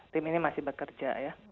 tim ini masih bekerja ya